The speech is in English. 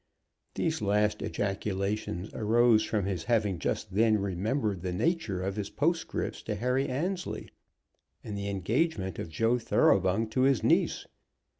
These last ejaculations arose from his having just then remembered the nature of his postscript to Harry Annesley, and the engagement of Joe Thoroughbung to his niece.